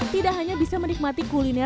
tidak hanya bisa menikmati kuliner dan klinik